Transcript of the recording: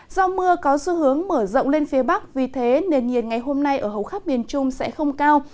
do mưa có xu hướng mở rộng lên phía bắc vì thế nền nhiệt ngày hôm nay ở hầu khắp miền trung sẽ không cao